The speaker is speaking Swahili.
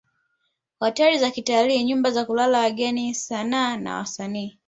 Hoteli za kitalii nyumba za kulala wageni sanaa na wasanii